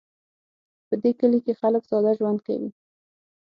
په دې کلي کې خلک ساده ژوند کوي